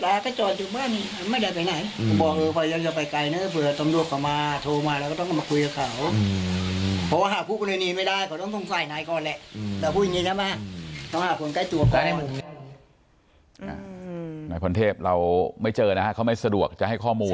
นายพรเทพเราไม่เจอนะฮะเขาไม่สะดวกจะให้ข้อมูล